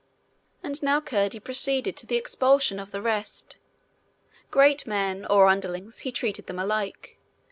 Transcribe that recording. And now Curdie proceeded to the expulsion of the rest. Great men or underlings, he treated them all alike.